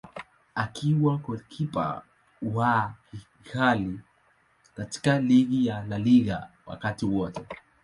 Akiwa golikipa wa ghali katika ligi ya La Liga wakati wote.